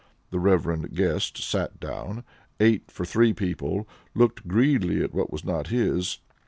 The (reverend) guest sat down, ate for three people, looked greedily at what was not his.